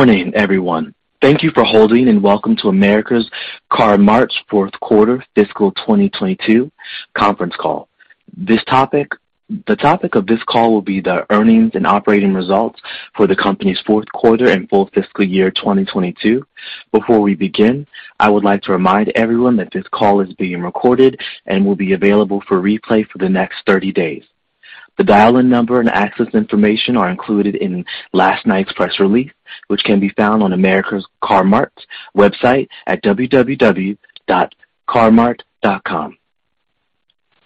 Morning, everyone. Thank you for holding, and welcome to America's Car-Mart's fourth quarter fiscal 2022 conference call. The topic of this call will be the earnings and operating results for the company's fourth quarter and full fiscal year 2022. Before we begin, I would like to remind everyone that this call is being recorded and will be available for replay for the next 30 days. The dial-in number and access information are included in last night's press release, which can be found on America's Car-Mart's website at www.car-mart.com.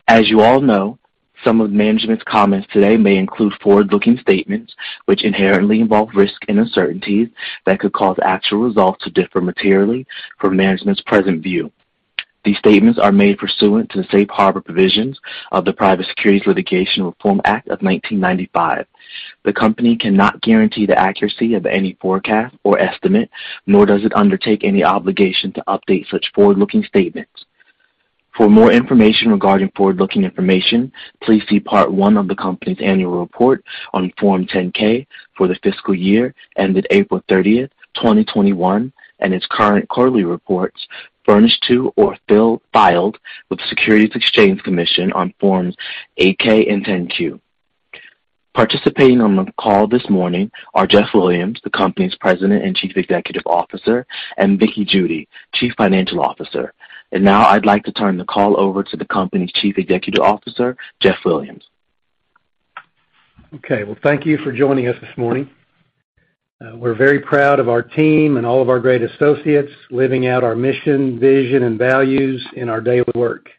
As you all know, some of management's comments today may include forward-looking statements, which inherently involve risks and uncertainties that could cause actual results to differ materially from management's present view. These statements are made pursuant to the safe harbor provisions of the Private Securities Litigation Reform Act of 1995. The company cannot guarantee the accuracy of any forecast or estimate, nor does it undertake any obligation to update such forward-looking statements. For more information regarding forward-looking information, please see Part One of the company's annual report on Form 10-K for the fiscal year ended April 30, 2021, and its current quarterly reports furnished to or filed with the Securities and Exchange Commission on Forms 8-K and 10-Q. Participating on the call this morning are Jeff Williams, the company's President and Chief Executive Officer, and Vickie Judy, Chief Financial Officer. Now I'd like to turn the call over to the company's Chief Executive Officer, Jeff Williams. Okay. Well, thank you for joining us this morning. We're very proud of our team and all of our great associates living out our mission, vision, and values in our daily work.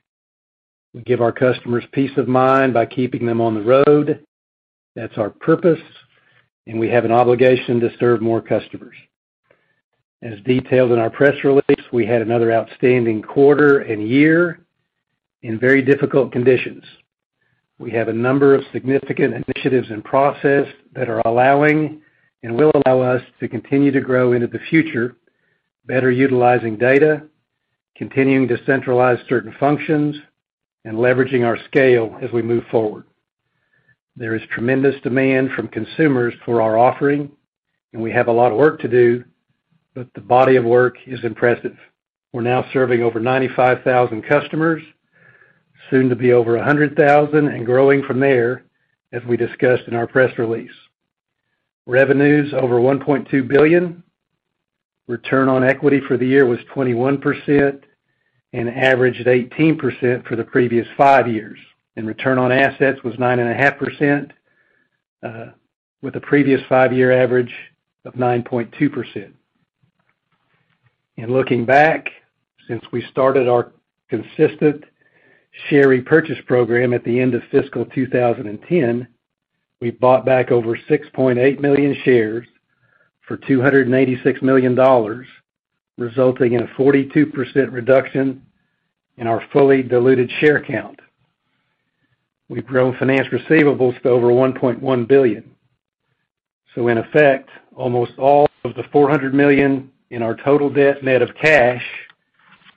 We give our customers peace of mind by keeping them on the road. That's our purpose, and we have an obligation to serve more customers. As detailed in our press release, we had another outstanding quarter and year in very difficult conditions. We have a number of significant initiatives in process that are allowing and will allow us to continue to grow into the future, better utilizing data, continuing to centralize certain functions, and leveraging our scale as we move forward. There is tremendous demand from consumers for our offering, and we have a lot of work to do, but the body of work is impressive. We're now serving over 95,000 customers, soon to be over 100,000, and growing from there, as we discussed in our press release. Revenues over $1.2 billion, return on equity for the year was 21% and averaged 18% for the previous five years, and return on assets was 9.5%, with a previous five-year average of 9.2%. Looking back, since we started our consistent share repurchase program at the end of fiscal 2019, we've bought back over 6.8 million shares for $286 million, resulting in a 42% reduction in our fully diluted share count. We've grown finance receivables to over $1.1 billion. In effect, almost all of the $400 million in our total debt net of cash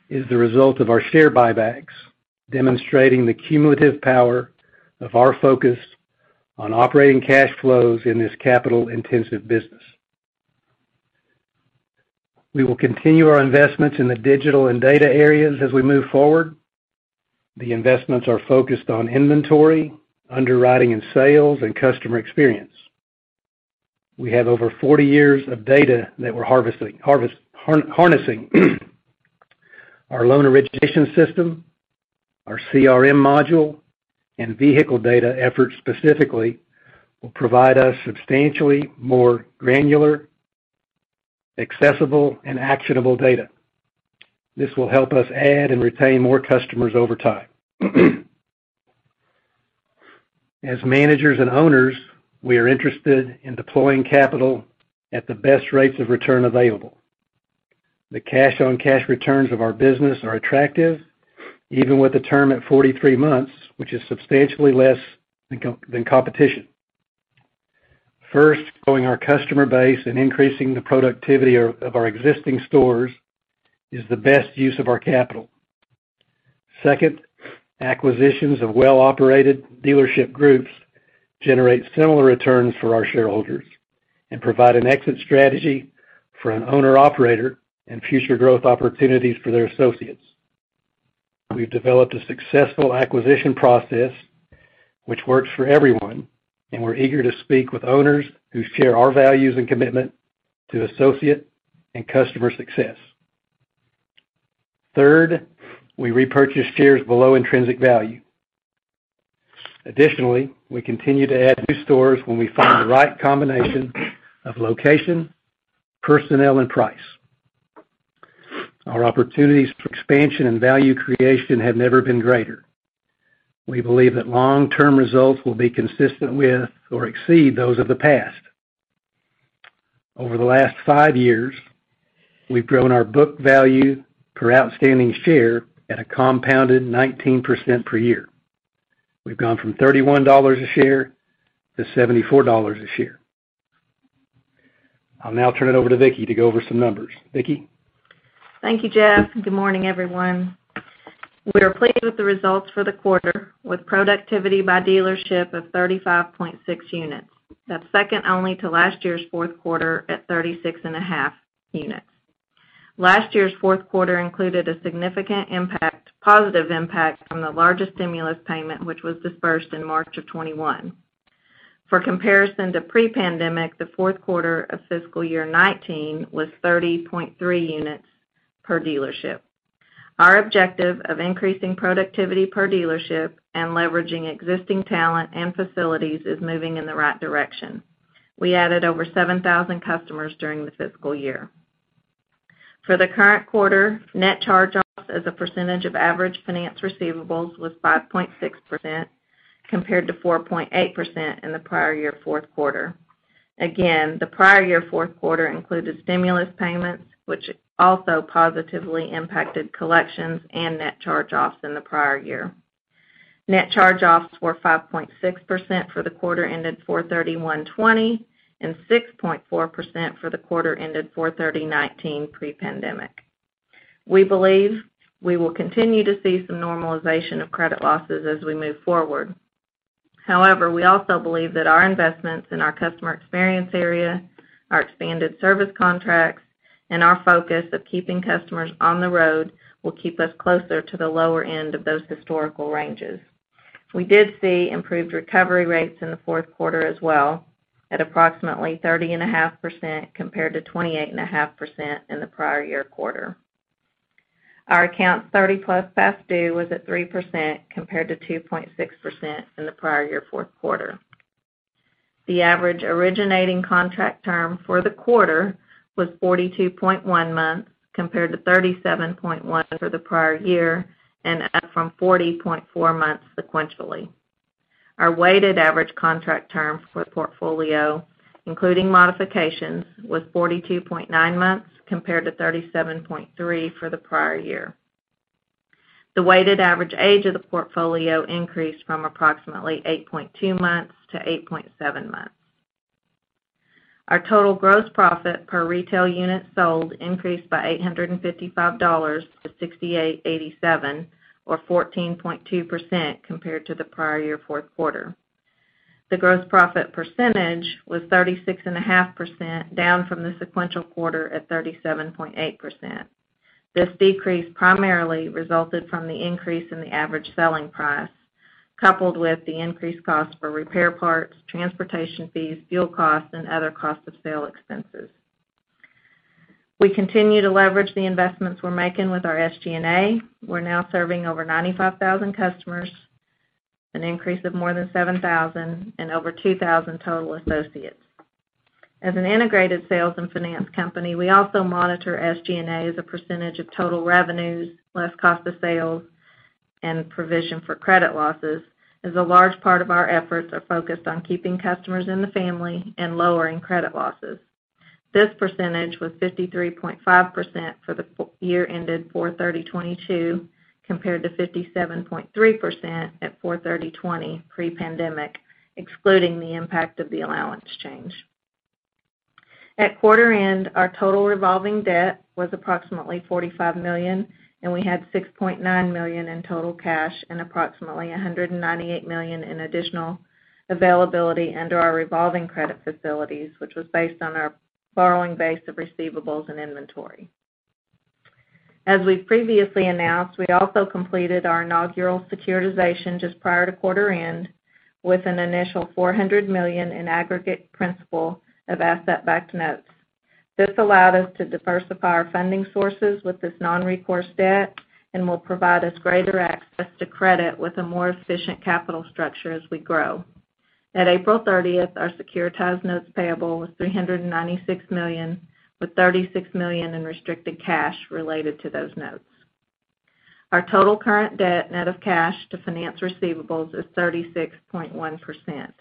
is the result of our share buybacks, demonstrating the cumulative power of our focus on operating cash flows in this capital-intensive business. We will continue our investments in the digital and data areas as we move forward. The investments are focused on inventory, underwriting and sales, and customer experience. We have over 40 years of data that we're harnessing. Our loan origination system, our CRM module, and vehicle data efforts specifically will provide us substantially more granular, accessible, and actionable data. This will help us add and retain more customers over time. As managers and owners, we are interested in deploying capital at the best rates of return available. The cash-on-cash returns of our business are attractive, even with the term at 43 months, which is substantially less than competition. First, growing our customer base and increasing the productivity of our existing stores is the best use of our capital. Second, acquisitions of well-operated dealership groups generate similar returns for our shareholders and provide an exit strategy for an owner-operator and future growth opportunities for their associates. We've developed a successful acquisition process which works for everyone, and we're eager to speak with owners who share our values and commitment to associate and customer success. Third, we repurchase shares below intrinsic value. Additionally, we continue to add new stores when we find the right combination of location, personnel, and price. Our opportunities for expansion and value creation have never been greater. We believe that long-term results will be consistent with or exceed those of the past. Over the last 5 years, we've grown our book value per outstanding share at a compounded 19% per year. We've gone from $31 a share to $74 a share. I'll now turn it over to Vickie to go over some numbers. Vickie? Thank you, Jeff. Good morning, everyone. We are pleased with the results for the quarter, with productivity by dealership of 35.6 units. That's second only to last year's fourth quarter at 36.5 units. Last year's fourth quarter included a significant impact, positive impact from the largest stimulus payment, which was dispersed in March of 2021. For comparison to pre-pandemic, the fourth quarter of fiscal year 2019 was 30.3 units per dealership. Our objective of increasing productivity per dealership and leveraging existing talent and facilities is moving in the right direction. We added over 7,000 customers during the fiscal year. For the current quarter, net charge-offs as a percentage of average finance receivables was 5.6% compared to 4.8% in the prior year fourth quarter. Again, the prior year fourth quarter included stimulus payments, which also positively impacted collections and net charge-offs in the prior year. Net charge-offs were 5.6% for the quarter ended 4/30/2020 and 6.4% for the quarter ended 4/30/2019 pre-pandemic. We believe we will continue to see some normalization of credit losses as we move forward. However, we also believe that our investments in our customer experience area, our expanded service contracts, and our focus of keeping customers on the road will keep us closer to the lower end of those historical ranges. We did see improved recovery rates in the fourth quarter as well at approximately 30.5% compared to 28.5% in the prior year quarter. Our accounts 30+ past due was at 3% compared to 2.6% in the prior year fourth quarter. The average originating contract term for the quarter was 42.1 months compared to 37.1 for the prior year and up from 40.4 months sequentially. Our weighted average contract term for the portfolio, including modifications, was 42.9 months compared to 37.3 for the prior year. The weighted average age of the portfolio increased from approximately 8.2-8.7 months. Our total gross profit per retail unit sold increased by $855-$6,887, or 14.2% compared to the prior year fourth quarter. The gross profit percentage was 36.5%, down from the sequential quarter at 37.8%. This decrease primarily resulted from the increase in the average selling price, coupled with the increased cost for repair parts, transportation fees, fuel costs, and other cost of sale expenses. We continue to leverage the investments we're making with our SG&A. We're now serving over 95,000 customers, an increase of more than 7,000 and over 2,000 total associates. As an integrated sales and finance company, we also monitor SG&A as a percentage of total revenues less cost of sales and provision for credit losses, as a large part of our efforts are focused on keeping customers in the family and lowering credit losses. This percentage was 53.5% for the year ended 4/30/2022, compared to 57.3% at 4/30/2020 pre-pandemic, excluding the impact of the allowance change. At quarter end, our total revolving debt was approximately $45 million, and we had $6.9 million in total cash and approximately $198 million in additional availability under our revolving credit facilities, which was based on our borrowing base of receivables and inventory. As we've previously announced, we also completed our inaugural securitization just prior to quarter end with an initial $400 million in aggregate principal of asset-backed notes. This allowed us to diversify our funding sources with this non-recourse debt and will provide us greater access to credit with a more efficient capital structure as we grow. At April 30th, our securitized notes payable was $396 million, with $36 million in restricted cash related to those notes. Our total current debt net of cash to finance receivables is 36.1%.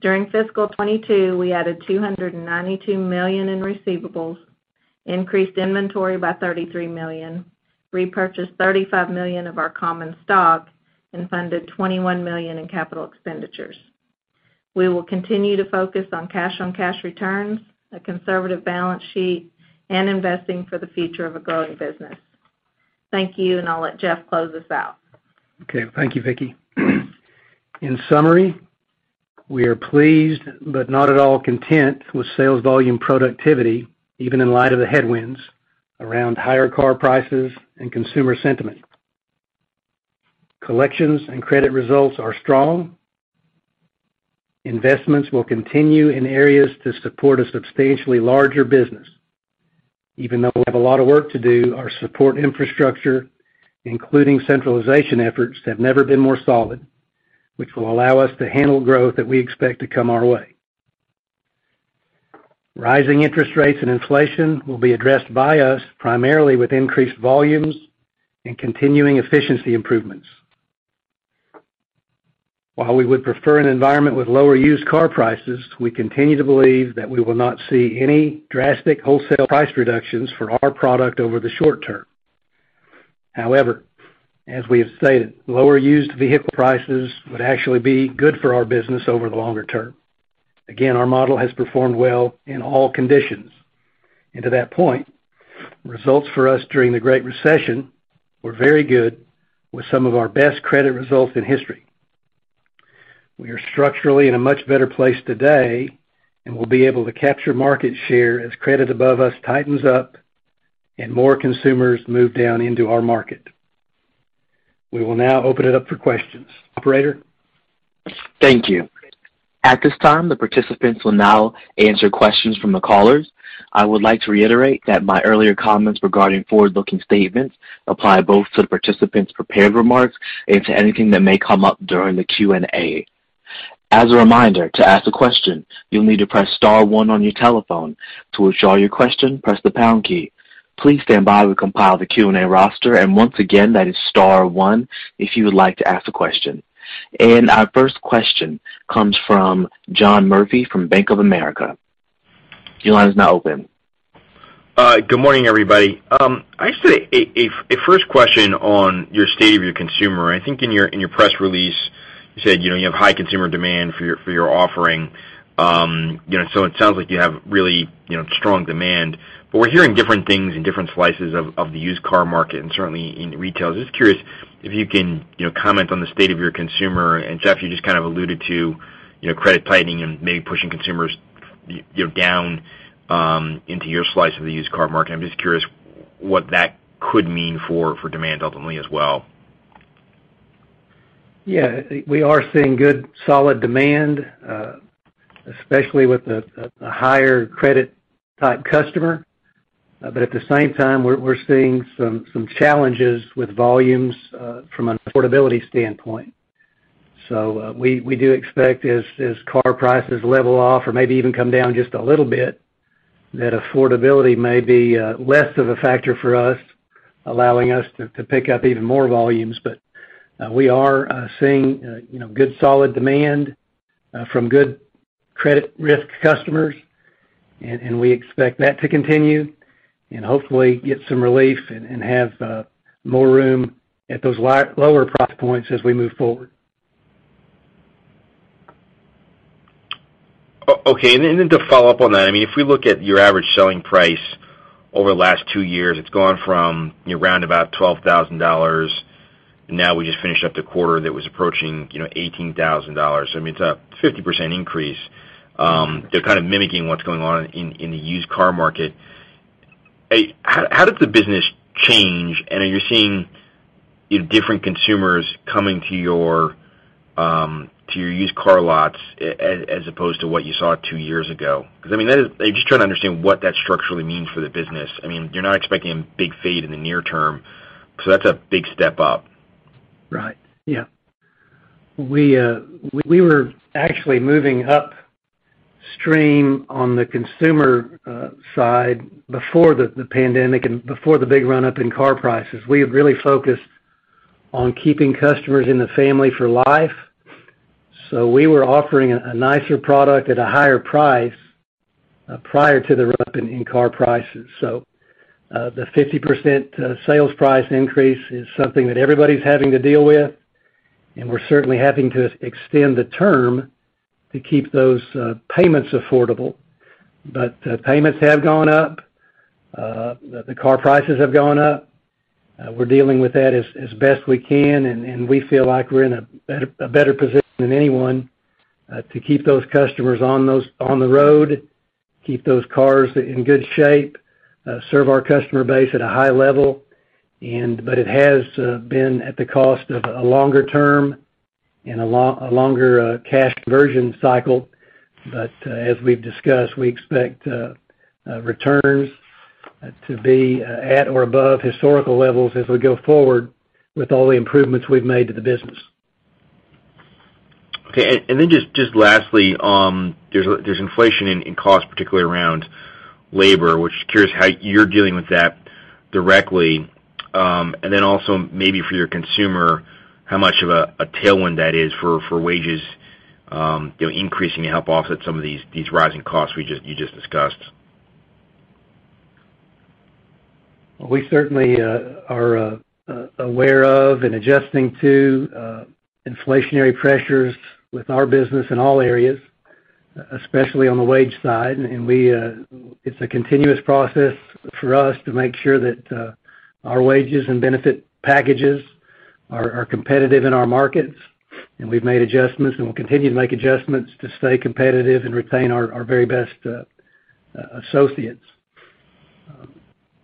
During fiscal 2022, we added $292 million in receivables, increased inventory by $33 million, repurchased $35 million of our common stock, and funded $21 million in capital expenditures. We will continue to focus on cash on cash returns, a conservative balance sheet, and investing for the future of a growing business. Thank you, and I'll let Jeff close us out. Okay. Thank you, Vickie. In summary, we are pleased but not at all content with sales volume productivity, even in light of the headwinds around higher car prices and consumer sentiment. Collections and credit results are strong. Investments will continue in areas to support a substantially larger business. Even though we have a lot of work to do, our support infrastructure, including centralization efforts, have never been more solid, which will allow us to handle growth that we expect to come our way. Rising interest rates and inflation will be addressed by us primarily with increased volumes and continuing efficiency improvements. While we would prefer an environment with lower used car prices, we continue to believe that we will not see any drastic wholesale price reductions for our product over the short term. However, as we have stated, lower used vehicle prices would actually be good for our business over the longer term. Again, our model has performed well in all conditions. To that point, results for us during the Great Recession were very good, with some of our best credit results in history. We are structurally in a much better place today, and we'll be able to capture market share as credit above us tightens up and more consumers move down into our market. We will now open it up for questions. Operator? Thank you. At this time, the participants will now answer questions from the callers. I would like to reiterate that my earlier comments regarding forward-looking statements apply both to the participants' prepared remarks and to anything that may come up during the Q&A. As a reminder, to ask a question, you'll need to press star one on your telephone. To withdraw your question, press the pound key. Please stand by while we compile the Q&A roster. Once again, that is star one if you would like to ask a question. Our first question comes from John Murphy from Bank of America. Your line is now open. Good morning, everybody. I just had a first question on your state of your consumer. I think in your press release, you said, you know, you have high consumer demand for your offering. You know, so it sounds like you have really, you know, strong demand. But we're hearing different things in different slices of the used car market and certainly in retail. Just curious if you can, you know, comment on the state of your consumer. Jeff, you just kind of alluded to, you know, credit tightening and maybe pushing consumers down into your slice of the used car market. I'm just curious what that could mean for demand ultimately as well. Yeah, we are seeing good, solid demand, especially with the higher credit type customer. At the same time, we're seeing some challenges with volumes from an affordability standpoint. We do expect as car prices level off or maybe even come down just a little bit, that affordability may be less of a factor for us, allowing us to pick up even more volumes. We are seeing you know good solid demand from good credit risk customers, and we expect that to continue and hopefully get some relief and have more room at those lower price points as we move forward. Okay. Then to follow up on that, I mean, if we look at your average selling price over the last two years, it's gone from around about $12,000. Now we just finished up the quarter that was approaching, you know, $18,000. I mean, it's a 50% increase. They're kind of mimicking what's going on in the used car market. How does the business change, and are you seeing different consumers coming to your used car lots as opposed to what you saw two years ago? Because I mean, that is. I'm just trying to understand what that structurally means for the business. I mean, you're not expecting a big fade in the near term, so that's a big step up. Right. Yeah. We were actually moving upstream on the consumer side before the pandemic and before the big run-up in car prices. We have really focused on keeping customers in the family for life. We were offering a nicer product at a higher price prior to the run-up in car prices. The 50% sales price increase is something that everybody's having to deal with, and we're certainly having to extend the term to keep those payments affordable. Payments have gone up. The car prices have gone up. We're dealing with that as best we can, and we feel like we're in a better position than anyone to keep those customers on the road, keep those cars in good shape, serve our customer base at a high level. It has been at the cost of a longer term and a longer cash conversion cycle. As we've discussed, we expect returns to be at or above historical levels as we go forward with all the improvements we've made to the business. Okay. Just lastly, there's inflation in cost, particularly around labor, which curious how you're dealing with that directly. Also maybe for your consumer, how much of a tailwind that is for wages, you know, increasing to help offset some of these rising costs you just discussed. We certainly are aware of and adjusting to inflationary pressures with our business in all areas, especially on the wage side. It's a continuous process for us to make sure that our wages and benefit packages are competitive in our markets. We've made adjustments, and we'll continue to make adjustments to stay competitive and retain our very best associates.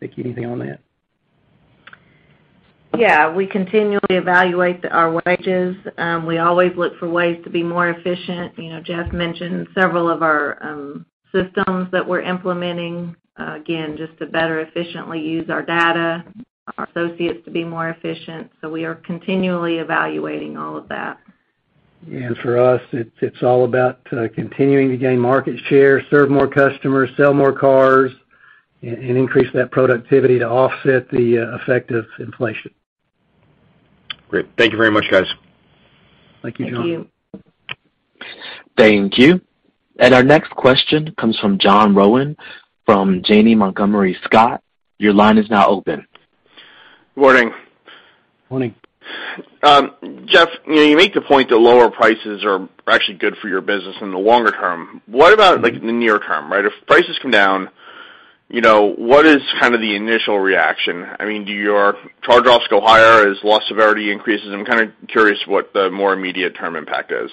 Vickie, anything on that? Yeah. We continually evaluate our wages. We always look for ways to be more efficient. You know, Jeff mentioned several of our systems that we're implementing, again, just to better efficiently use our data, our associates to be more efficient. We are continually evaluating all of that. For us, it's all about continuing to gain market share, serve more customers, sell more cars, and increase that productivity to offset the effect of inflation. Great. Thank you very much, guys. Thank you, John. Thank you. Our next question comes from John Rowan from Janney Montgomery Scott. Your line is now open. Good morning. Morning. Jeff, you know, you make the point that lower prices are actually good for your business in the longer term. What about, like, in the near term, right? If prices come down, you know, what is kind of the initial reaction? I mean, do your charge-offs go higher as loss severity increases? I'm kinda curious what the more immediate term impact is.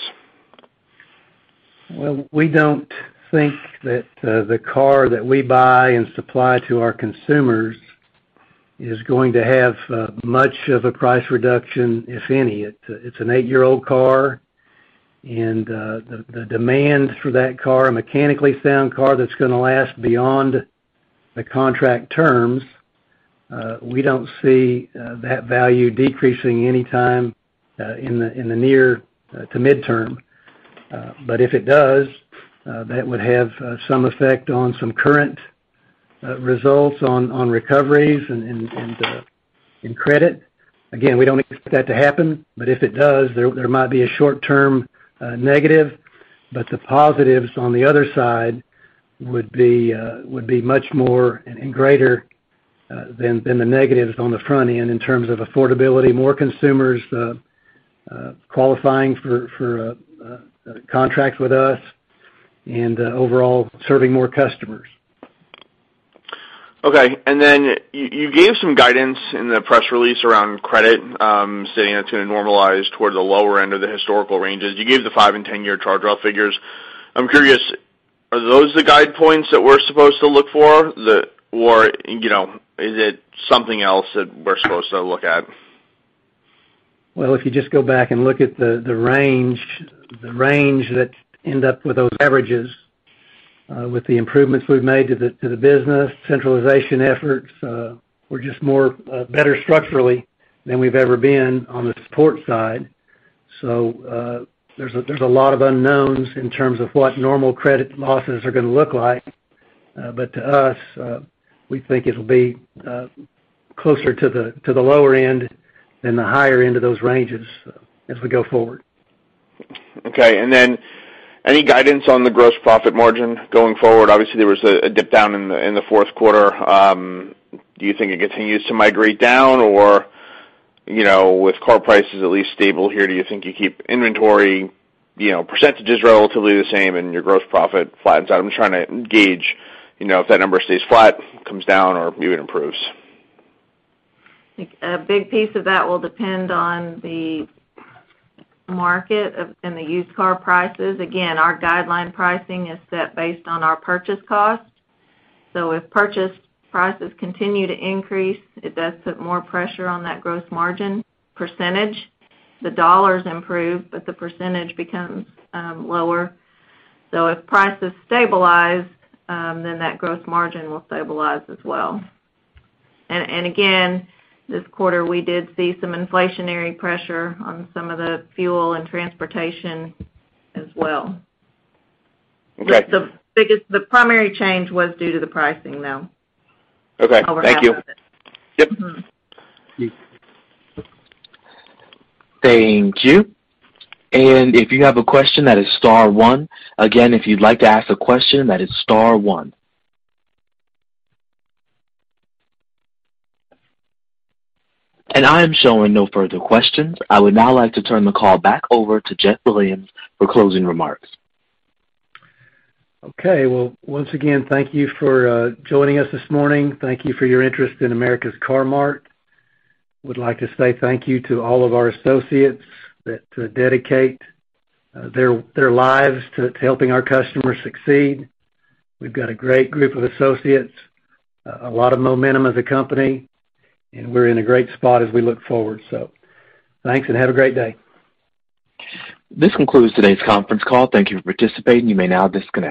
Well, we don't think that the car that we buy and supply to our consumers is going to have much of a price reduction, if any. It's an eight-year-old car, and the demand for that car, a mechanically sound car that's gonna last beyond the contract terms, we don't see that value decreasing anytime in the near to midterm. If it does, that would have some effect on some current results on recoveries and credit. Again, we don't expect that to happen, but if it does, there might be a short-term negative, but the positives on the other side would be much more and greater than the negatives on the front end in terms of affordability, more consumers qualifying for contracts with us and overall serving more customers. Okay. You gave some guidance in the press release around credit, saying it's gonna normalize towards the lower end of the historical ranges. You gave the five and 10-year charge-off figures. I'm curious, are those the guide points that we're supposed to look for? Or, you know, is it something else that we're supposed to look at? Well, if you just go back and look at the range that end up with those averages, with the improvements we've made to the business, centralization efforts, we're just more better structurally than we've ever been on the support side. So, there's a lot of unknowns in terms of what normal credit losses are gonna look like. But to us, we think it'll be closer to the lower end than the higher end of those ranges as we go forward. Okay. And then any guidance on the gross profit margin going forward? Obviously, there was a dip down in the fourth quarter. Do you think it continues to migrate down or, you know, with car prices at least stable here, do you think you keep inventory, you know, percentages relatively the same and your gross profit flattens out? I'm trying to gauge, you know, if that number stays flat, comes down or maybe it improves. A big piece of that will depend on the market and the used car prices. Again, our guideline pricing is set based on our purchase cost. If purchase prices continue to increase, it does put more pressure on that gross margin percentage. The dollars improve, but the percentage becomes lower. If prices stabilize, then that gross margin will stabilize as well. Again, this quarter, we did see some inflationary pressure on some of the fuel and transportation as well. Okay. The primary change was due to the pricing, though. Okay. Thank you. Over. Yep. Thank you. If you have a question, that is star one. Again, if you'd like to ask a question, that is star one. I am showing no further questions. I would now like to turn the call back over to Jeff Williams for closing remarks. Okay. Well, once again, thank you for joining us this morning. Thank you for your interest in America's Car-Mart. Would like to say thank you to all of our associates that dedicate their lives to helping our customers succeed. We've got a great group of associates, a lot of momentum as a company, and we're in a great spot as we look forward. Thanks and have a great day. This concludes today's conference call. Thank you for participating. You may now disconnect.